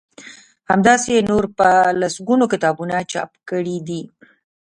همداسی يې نور په لسګونه کتابونه چاپ کړي دي